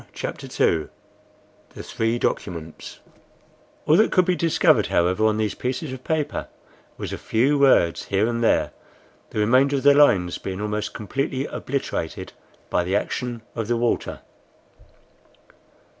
CHAPTER II THE THREE DOCUMENTS ALL that could be discovered, however, on these pieces of paper was a few words here and there, the remainder of the lines being almost completely obliterated by the action of the water.